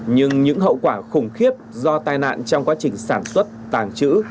nhưng những hậu quả khủng khiếp do tai nạn trong quá trình sản xuất tàng trữ